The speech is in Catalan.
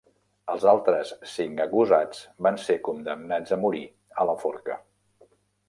Els altres cinc acusats van ser condemnats a morir a la forca.